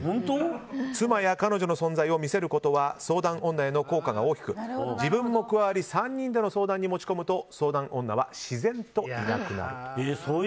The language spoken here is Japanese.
妻や彼女の存在を見せることは相談女への効果が大きく自分も加わり３人での相談に持ち込むと相談女は自然といなくなる。